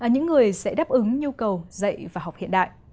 những người sẽ đáp ứng nhu cầu dạy và học hiện đại